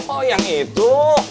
oh yang itu